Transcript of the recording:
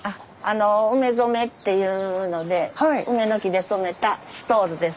梅染めっていうので梅の木で染めたストールです。